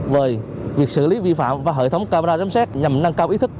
về việc xử lý vi phạm và hệ thống camera giám sát nhằm nâng cao ý thức